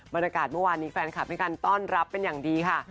บรรยากาศเมื่อวานนี้แฟนคลับให้การต้อนรับเป็นอย่างดีค่ะ